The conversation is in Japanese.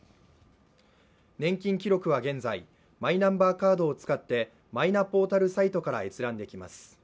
年金記録は現在、マイナンバーカードを使ってマイナポータルサイトから閲覧できます。